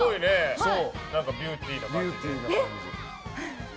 ビューティーな感じで。